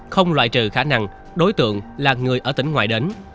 không loại trừ khả năng đối tượng là người ở tỉnh ngoài đến